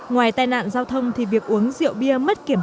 ngoài tai nạn giao thông đồng độ cồn trong máu là chiếm bốn sáu